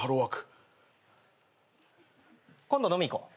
ああ今度飲みに行こう。